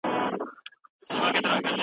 په کوڅه ښکته پورته کېږې